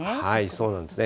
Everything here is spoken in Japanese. そうなんですね。